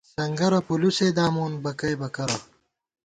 سنگَرہ پُلُسے دامون، بکَئیبہ کرہ